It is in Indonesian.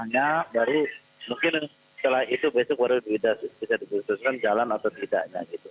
tanahnya baru mungkin setelah itu besok baru bisa di check ulang jalan atau tidak